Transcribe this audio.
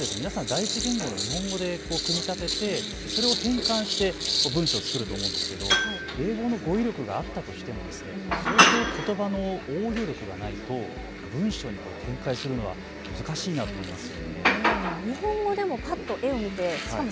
第１言語の日本語で組み立ててそれを変換して文章を作ると思うんですけど、英語の語彙力があったとしても、相当ことばの応用力がないと文章に展開するのは難しいなと思います。